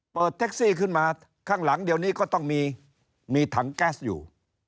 แท็กซี่ขึ้นมาข้างหลังเดี๋ยวนี้ก็ต้องมีถังแก๊สอยู่